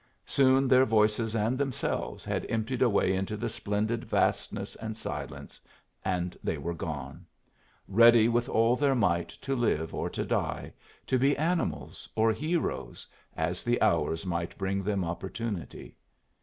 Soon their voices and themselves had emptied away into the splendid vastness and silence, and they were gone ready with all their might to live or to die, to be animals or heroes, as the hours might bring them opportunity.